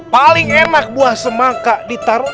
paling enak buah semangka ditaruh